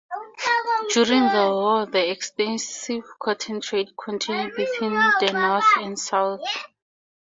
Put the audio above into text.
During the war, the extensive cotton trade continued between the North and South.